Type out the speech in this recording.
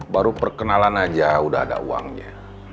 baru perkenalan aja udah ada uangnya